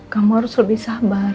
kamu harus lebih sabar